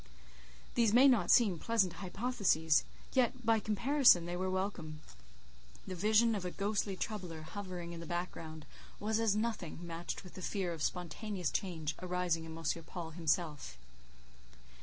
These may not seem pleasant hypotheses; yet, by comparison, they were welcome. The vision of a ghostly troubler hovering in the background, was as nothing, matched with the fear of spontaneous change arising in M. Paul himself.